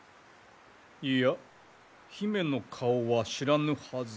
いや姫の顔は知らぬはず。